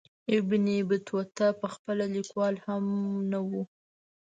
ابن بطوطه پخپله لیکوال هم نه وو.